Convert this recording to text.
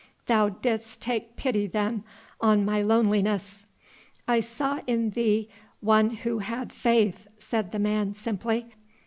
"Thou didst take pity then on my loneliness." "I saw in thee one who had faith," said the man simply.